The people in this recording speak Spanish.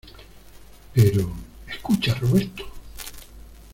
pero... escucha, Roberto .